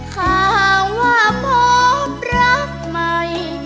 ข้าว่าหมดรักใหม่